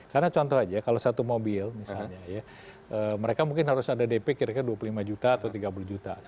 karena contoh aja kalau satu mobil misalnya ya mereka mungkin harus ada dp kira kira dua puluh lima juta atau tiga puluh juta